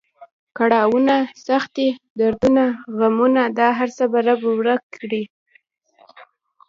کړاونه، سختۍ، دردونه، غمونه دا هر څه به رب ورک کړي.